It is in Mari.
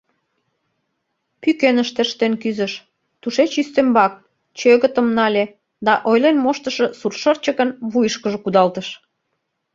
Пӱкеныш тӧрштен кӱзыш, тушеч – ӱстембак, чӧгытым нале да Ойлен моштышо Суртшырчыкын вуйышкыжо кудалтыш.